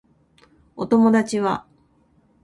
お友達は